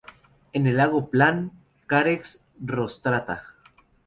En el lago Plan, "Carex rostrata".